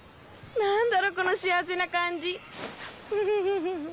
何だろこの幸せな感じウフフ。